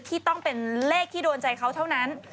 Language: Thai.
ที่ต้องเป็นเลขที่โดนใจเขาเท่านั้น